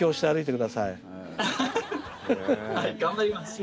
はい！